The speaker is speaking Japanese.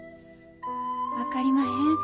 分かりまへん。